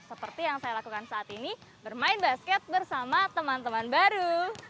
seperti yang saya lakukan saat ini bermain basket bersama teman teman baru